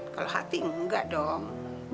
kalau hati enggak dong